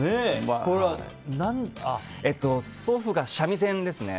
祖父が三味線ですね。